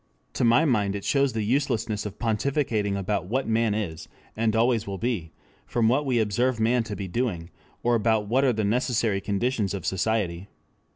To my mind it shows the uselessness of pontificating about what man is and always will be from what we observe man to be doing, or about what are the necessary conditions of society.